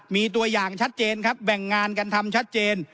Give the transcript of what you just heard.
มีตัวอย่างชัดเจนครับแบ่งงานกันทำชัดเจน